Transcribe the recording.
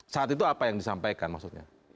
saat itu apa yang disampaikan maksudnya